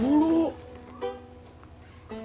dunia itu jangan dibolak balik kayak begitu